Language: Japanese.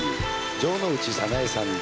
城之内早苗さんで